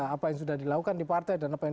apa yang sudah dilakukan di partai dan apa yang